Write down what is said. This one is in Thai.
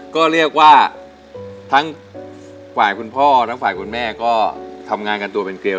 ก็เรียกว่าทั้งฝ่ายคุณพ่อทั้งฝ่ายคุณแม่ก็ทำงานกันตัวเป็นเกล